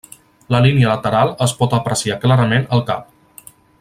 La línia lateral es pot apreciar clarament al cap.